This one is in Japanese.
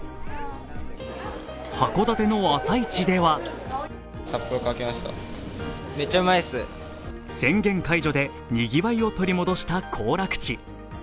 函館の朝市では宣言解除でにぎわいを取り戻した行楽地。